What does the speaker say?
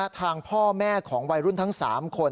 ทางพ่อแม่ของวัยรุ่นทั้ง๓คน